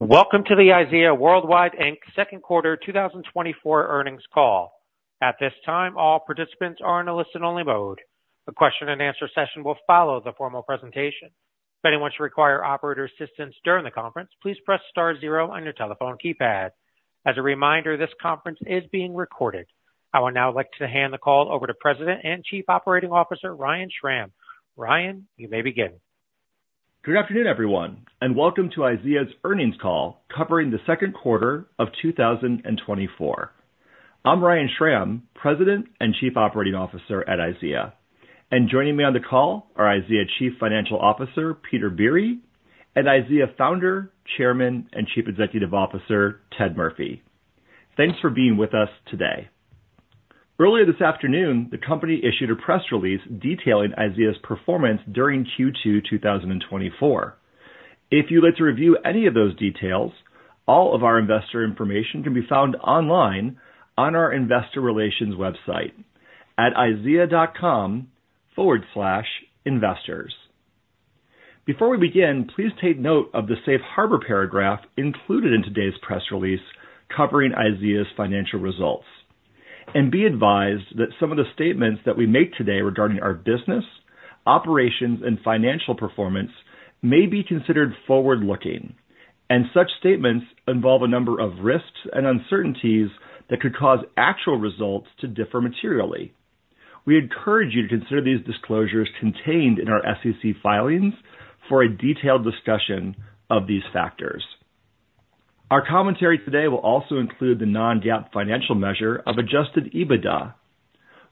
Welcome to the IZEA Worldwide, Inc. Q2 2024 Earnings Call. At this time, all participants are in a listen-only mode. The question and answer session will follow the formal presentation. If anyone should require operator assistance during the conference, please press star zero on your telephone keypad. As a reminder, this conference is being recorded. I would now like to hand the call over to President and Chief Operating Officer, Ryan Schram. Ryan, you may begin. Good afternoon, everyone, and welcome to IZEA's earnings call covering the second quarter of 2024. I'm Ryan Schram, President and Chief Operating Officer at IZEA, and joining me on the call are IZEA Chief Financial Officer, Peter Biere, and IZEA Founder, Chairman, and Chief Executive Officer, Ted Murphy. Thanks for being with us today. Earlier this afternoon, the company issued a press release detailing IZEA's performance during Q2 2024. If you'd like to review any of those details, all of our investor information can be found online on our investor relations website at izea.com/investors. Before we begin, please take note of the safe harbor paragraph included in today's press release covering IZEA's financial results, and be advised that some of the statements that we make today regarding our business, operations, and financial performance may be considered forward-looking, and such statements involve a number of risks and uncertainties that could cause actual results to differ materially. We encourage you to consider these disclosures contained in our SEC filings for a detailed discussion of these factors. Our commentary today will also include the non-GAAP financial measure of Adjusted EBITDA.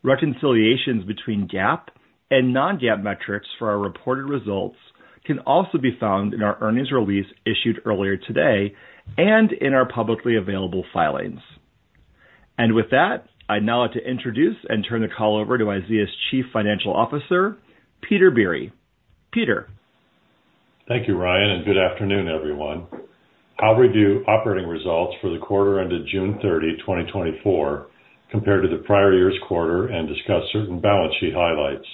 Reconciliations between GAAP and non-GAAP metrics for our reported results can also be found in our earnings release issued earlier today and in our publicly available filings. With that, I'd now like to introduce and turn the call over to IZEA's Chief Financial Officer, Peter Biere. Peter? Thank you, Ryan, and good afternoon, everyone. I'll review operating results for the quarter ended June 30, 2024, compared to the prior year's quarter and discuss certain balance sheet highlights.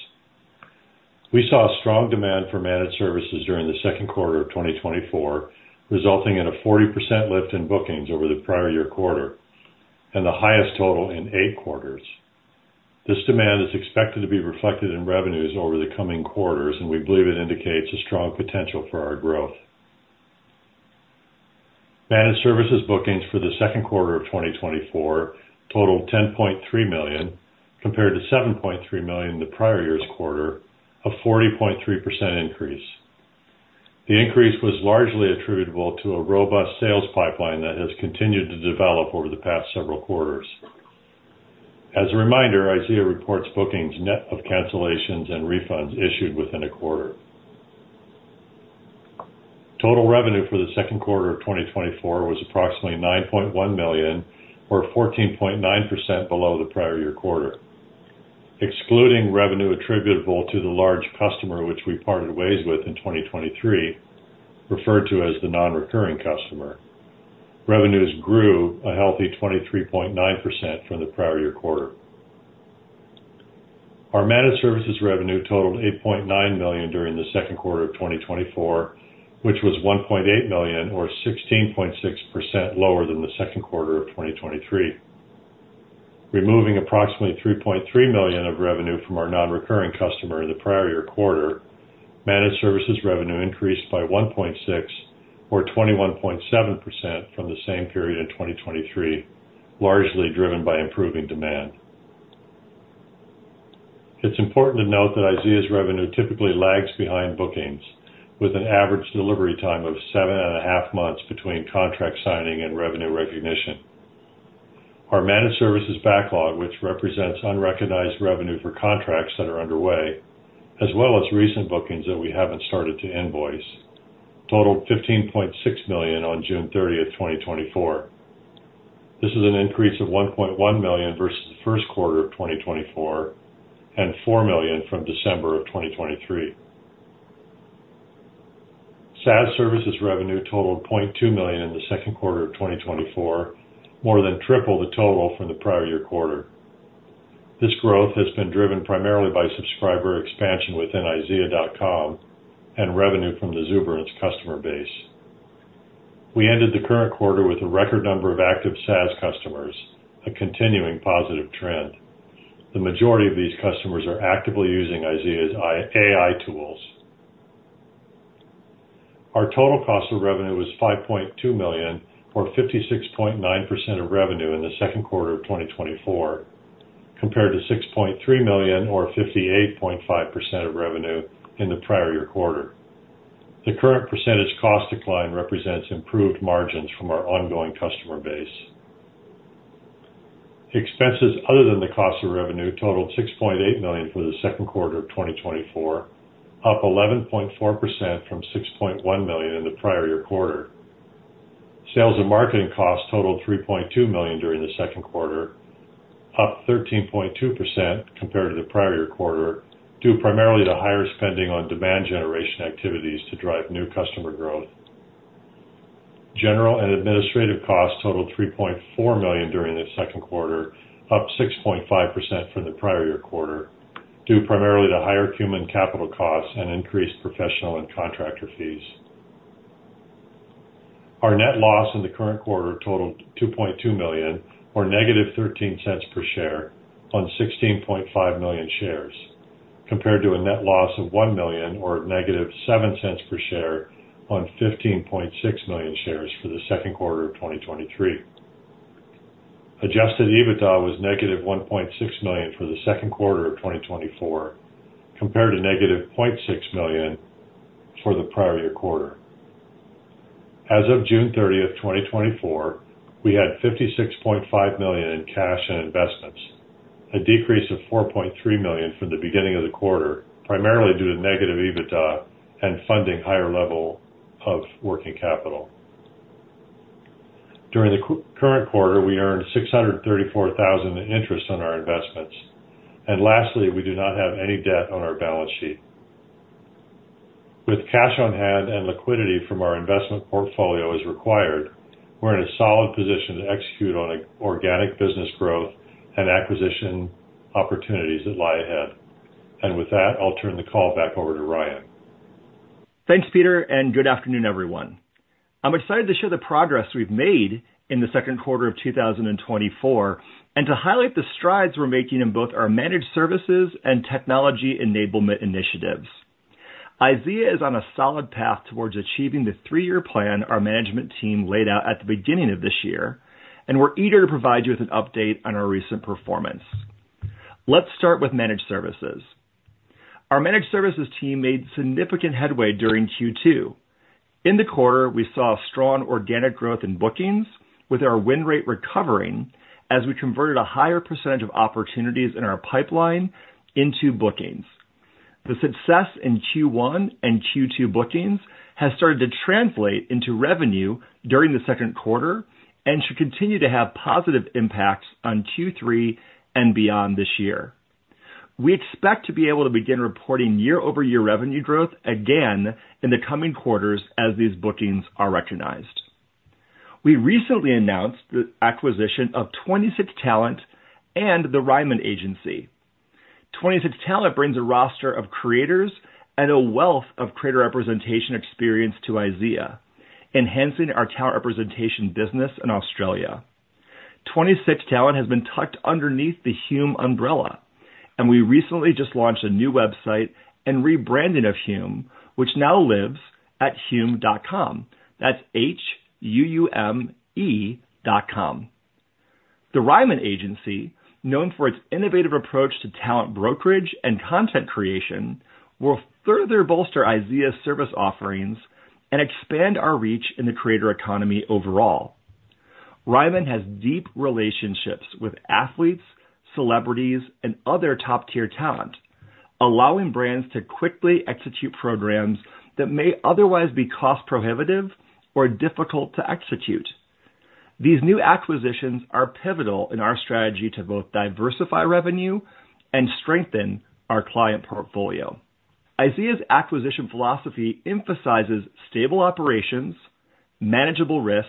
We saw strong demand for managed services during the second quarter of 2024, resulting in a 40% lift in bookings over the prior year quarter and the highest total in 8 quarters. This demand is expected to be reflected in revenues over the coming quarters, and we believe it indicates a strong potential for our growth. Managed services bookings for the second quarter of 2024 totaled $10.3 million, compared to $7.3 million in the prior year's quarter, a 40.3% increase. The increase was largely attributable to a robust sales pipeline that has continued to develop over the past several quarters. As a reminder, IZEA reports bookings net of cancellations and refunds issued within a quarter. Total revenue for the second quarter of 2024 was approximately $9.1 million, or 14.9% below the prior year quarter. Excluding revenue attributable to the large customer, which we parted ways with in 2023, referred to as the non-recurring customer, revenues grew a healthy 23.9% from the prior year quarter. Our managed services revenue totaled $8.9 million during the second quarter of 2024, which was $1.8 million, or 16.6% lower than the second quarter of 2023. Removing approximately $3.3 million of revenue from our non-recurring customer in the prior year quarter, Managed Services revenue increased by $1.6 or 21.7% from the same period in 2023, largely driven by improving demand. It's important to note that IZEA's revenue typically lags behind bookings, with an average delivery time of 7.5 months between contract signing and revenue recognition. Our Managed Services backlog, which represents unrecognized revenue for contracts that are underway, as well as recent bookings that we haven't started to invoice, totaled $15.6 million on June 30th, 2024. This is an increase of $1.1 million versus the first quarter of 2024 and $4 million from December of 2023. SaaS services revenue totaled $0.2 million in the second quarter of 2024, more than triple the total from the prior year quarter. This growth has been driven primarily by subscriber expansion within IZEA.com and revenue from the Zuberance customer base. We ended the current quarter with a record number of active SaaS customers, a continuing positive trend. The majority of these customers are actively using IZEA's AI tools. Our total cost of revenue was $5.2 million, or 56.9% of revenue in the second quarter of 2024, compared to $6.3 million, or 58.5% of revenue in the prior year quarter. The current percentage cost decline represents improved margins from our ongoing customer base. Expenses other than the cost of revenue totaled $6.8 million for the second quarter of 2024, up 11.4% from $6.1 million in the prior year quarter. Sales and marketing costs totaled $3.2 million during the second quarter, up 13.2% compared to the prior year quarter, due primarily to higher spending on demand generation activities to drive new customer growth. General and administrative costs totaled $3.4 million during the second quarter, up 6.5% from the prior year quarter, due primarily to higher human capital costs and increased professional and contractor fees. Our net loss in the current quarter totaled $2.2 million, or -13 cents per share, on 16.5 million shares, compared to a net loss of $1 million, or -7 cents per share, on 15.6 million shares for the second quarter of 2023. Adjusted EBITDA was -$1.6 million for the second quarter of 2024, compared to -$0.6 million for the prior year quarter. As of June 30th, 2024, we had $56.5 million in cash and investments, a decrease of $4.3 million from the beginning of the quarter, primarily due to negative EBITDA and funding higher level of working capital. During the current quarter, we earned $634,000 in interest on our investments. Lastly, we do not have any debt on our balance sheet. With cash on hand and liquidity from our investment portfolio as required, we're in a solid position to execute on organic business growth and acquisition opportunities that lie ahead. With that, I'll turn the call back over to Ryan. Thanks, Peter, and good afternoon, everyone. I'm excited to share the progress we've made in the second quarter of 2024, and to highlight the strides we're making in both our managed services and technology enablement initiatives. IZEA is on a solid path towards achieving the three-year plan our management team laid out at the beginning of this year, and we're eager to provide you with an update on our recent performance. Let's start with managed services. Our managed services team made significant headway during Q2. In the quarter, we saw strong organic growth in bookings, with our win rate recovering as we converted a higher percentage of opportunities in our pipeline into bookings. The success in Q1 and Q2 bookings has started to translate into revenue during the second quarter and should continue to have positive impacts on Q3 and beyond this year. We expect to be able to begin reporting year-over-year revenue growth again in the coming quarters as these bookings are recognized. We recently announced the acquisition of 26 Talent and The Reiman Agency. 26 Talent brings a roster of creators and a wealth of creator representation experience to IZEA, enhancing our talent representation business in Australia. 26 Talent has been tucked underneath the Huume umbrella, and we recently just launched a new website and rebranding of Huume, which now lives at huume.com. That's H-U-U-M-E dot com. The Reiman Agency, known for its innovative approach to talent brokerage and content creation, will further bolster IZEA's service offerings and expand our reach in the creator economy overall. Reiman has deep relationships with athletes, celebrities, and other top-tier talent, allowing brands to quickly execute programs that may otherwise be cost-prohibitive or difficult to execute. These new acquisitions are pivotal in our strategy to both diversify revenue and strengthen our client portfolio. IZEA's acquisition philosophy emphasizes stable operations, manageable risks,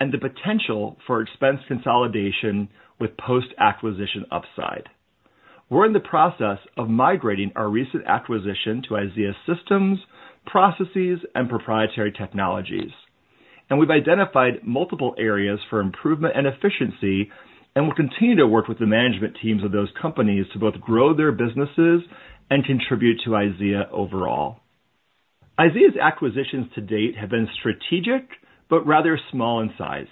and the potential for expense consolidation with post-acquisition upside. We're in the process of migrating our recent acquisition to IZEA's systems, processes, and proprietary technologies, and we've identified multiple areas for improvement and efficiency, and we'll continue to work with the management teams of those companies to both grow their businesses and contribute to IZEA overall. IZEA's acquisitions to date have been strategic, but rather small in size.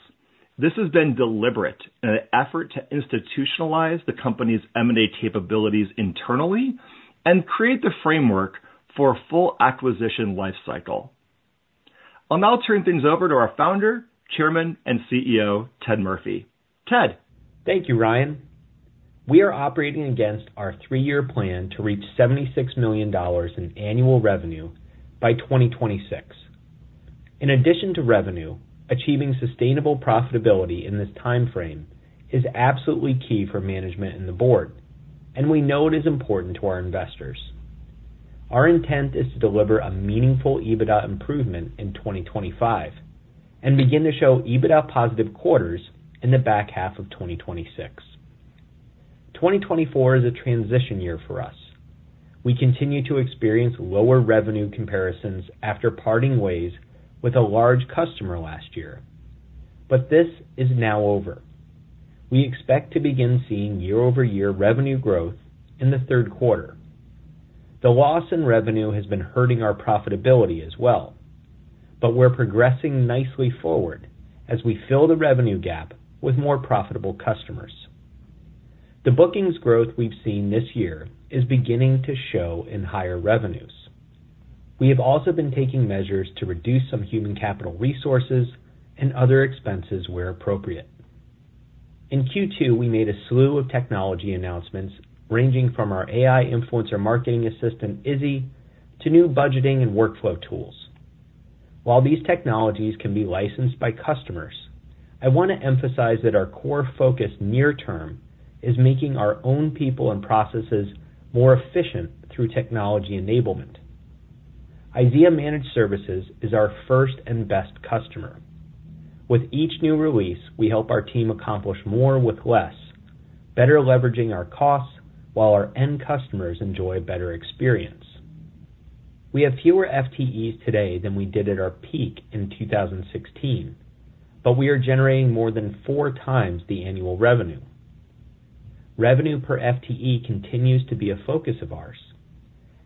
This has been deliberate in an effort to institutionalize the company's M&A capabilities internally and create the framework for a full acquisition life cycle. I'll now turn things over to our founder, chairman, and CEO, Ted Murphy. Ted? Thank you, Ryan. We are operating against our three-year plan to reach $76 million in annual revenue by 2026. In addition to revenue, achieving sustainable profitability in this timeframe is absolutely key for management and the board, and we know it is important to our investors. Our intent is to deliver a meaningful EBITDA improvement in 2025 and begin to show EBITDA positive quarters in the back half of 2026. 2024 is a transition year for us. We continue to experience lower revenue comparisons after parting ways with a large customer last year, but this is now over. We expect to begin seeing year-over-year revenue growth in the third quarter. The loss in revenue has been hurting our profitability as well, but we're progressing nicely forward as we fill the revenue gap with more profitable customers. The bookings growth we've seen this year is beginning to show in higher revenues. We have also been taking measures to reduce some human capital resources and other expenses where appropriate. In Q2, we made a slew of technology announcements, ranging from our AI influencer marketing assistant, Izzy, to new budgeting and workflow tools. While these technologies can be licensed by customers, I want to emphasize that our core focus near term is making our own people and processes more efficient through technology enablement... IZEA Managed Services is our first and best customer. With each new release, we help our team accomplish more with less, better leveraging our costs, while our end customers enjoy a better experience. We have fewer FTEs today than we did at our peak in 2016, but we are generating more than 4 times the annual revenue. Revenue per FTE continues to be a focus of ours,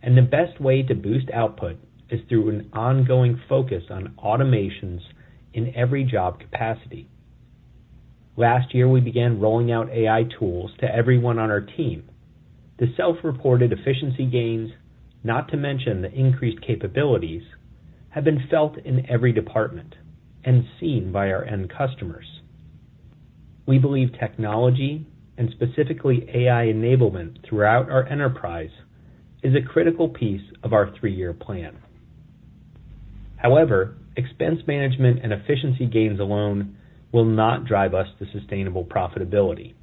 and the best way to boost output is through an ongoing focus on automations in every job capacity. Last year, we began rolling out AI tools to everyone on our team. The self-reported efficiency gains, not to mention the increased capabilities, have been felt in every department and seen by our end customers. We believe technology, and specifically AI enablement throughout our enterprise, is a critical piece of our three-year plan. However, expense management and efficiency gains alone will not drive us to sustainable profitability.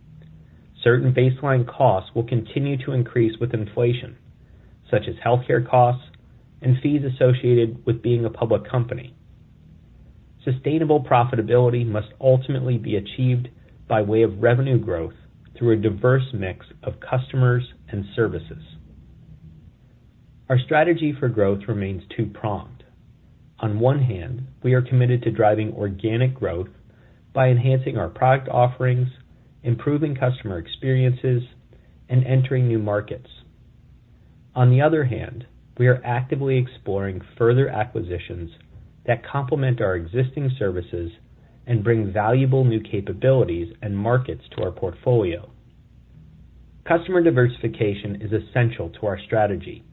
Certain baseline costs will continue to increase with inflation, such as healthcare costs and fees associated with being a public company. Sustainable profitability must ultimately be achieved by way of revenue growth through a diverse mix of customers and services. Our strategy for growth remains two-pronged. On one hand, we are committed to driving organic growth by enhancing our product offerings, improving customer experiences, and entering new markets. On the other hand, we are actively exploring further acquisitions that complement our existing services and bring valuable new capabilities and markets to our portfolio. Customer diversification is essential to our strategy.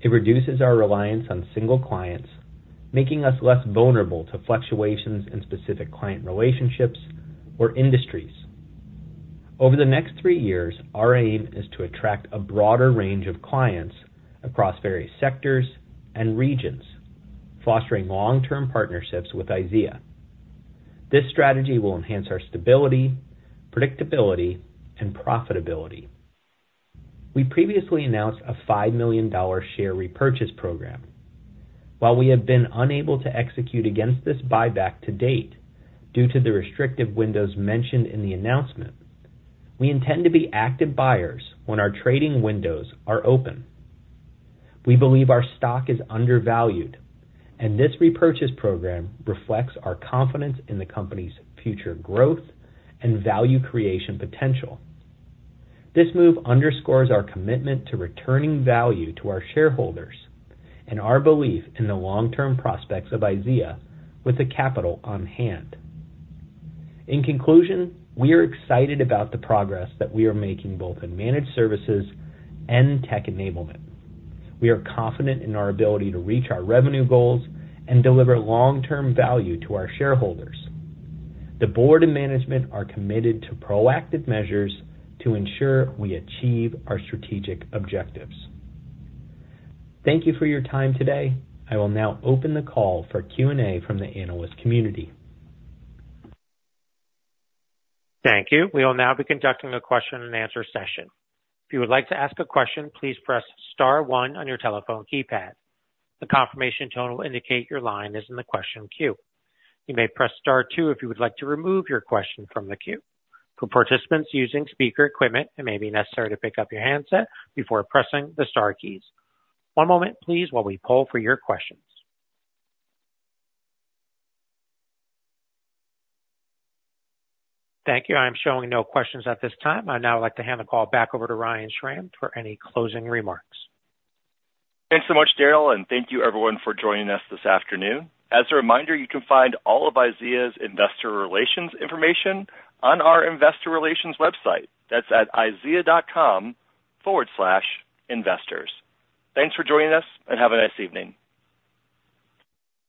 It reduces our reliance on single clients, making us less vulnerable to fluctuations in specific client relationships or industries. Over the next three years, our aim is to attract a broader range of clients across various sectors and regions, fostering long-term partnerships with IZEA. This strategy will enhance our stability, predictability, and profitability. We previously announced a $5 million share repurchase program. While we have been unable to execute against this buyback to date, due to the restrictive windows mentioned in the announcement, we intend to be active buyers when our trading windows are open. We believe our stock is undervalued, and this repurchase program reflects our confidence in the company's future growth and value creation potential. This move underscores our commitment to returning value to our shareholders and our belief in the long-term prospects of IZEA with the capital on hand. In conclusion, we are excited about the progress that we are making, both in managed services and tech enablement. We are confident in our ability to reach our revenue goals and deliver long-term value to our shareholders. The board and management are committed to proactive measures to ensure we achieve our strategic objectives. Thank you for your time today. I will now open the call for Q&A from the analyst community. Thank you. We will now be conducting a question and answer session. If you would like to ask a question, please press star one on your telephone keypad. The confirmation tone will indicate your line is in the question queue. You may press star two if you would like to remove your question from the queue. For participants using speaker equipment, it may be necessary to pick up your handset before pressing the star keys. One moment, please, while we poll for your questions. Thank you. I'm showing no questions at this time. I'd now like to hand the call back over to Ryan Schram for any closing remarks. Thanks so much, Daryl, and thank you, everyone, for joining us this afternoon. As a reminder, you can find all of IZEA's investor relations information on our investor relations website. That's at IZEA.com/investors. Thanks for joining us, and have a nice evening.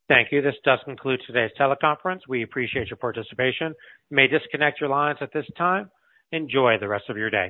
Thank you. This does conclude today's teleconference. We appreciate your participation. You may disconnect your lines at this time. Enjoy the rest of your day.